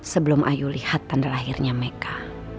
sebelum ayu lihat tanda lahirnya meka